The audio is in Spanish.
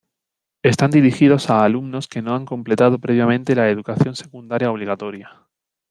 Están dirigidos a alumnos que no han completado previamente la Educación Secundaria Obligatoria.